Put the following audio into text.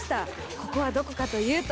ここはどこかというと。